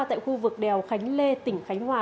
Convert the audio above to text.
tại khu vực đèo khánh lê tỉnh khánh hòa